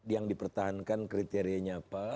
yang dipertahankan kriterianya apa